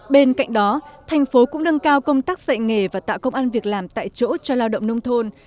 bên cạnh đó thành phố cũng nâng cao công tác dạy nghề và tạo công an việc làm tại chỗ cho lao động nông thôn